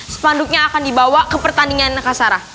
spanduknya akan dibawa ke pertandingan nekasara